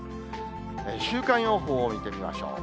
週間予報を見てみましょう。